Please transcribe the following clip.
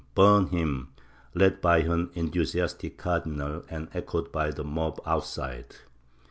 Burn him! led by an enthusiastic cardinal and echoed by the mob outside.